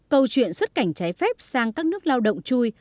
câu chuyện xuất cảnh trái phép sang các nước lao động chui